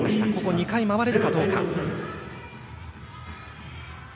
２回、回れるかどうか。